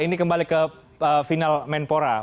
ini kembali ke final menpora